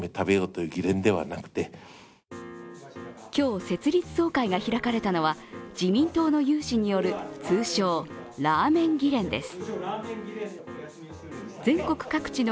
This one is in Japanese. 今日、設立総会が開かれたのは自民党の有志による通称・ラーメン議連です。